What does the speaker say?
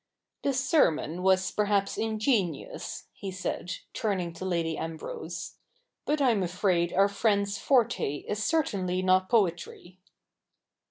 'The sermon was perhaps ingenious," he said, turning to Lady Ambrose, ' but I'm afraid our friend's forte is certainly not poetry.'